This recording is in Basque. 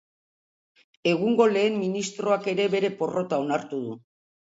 Egungo lehen ministroak ere bere porrota onartu du.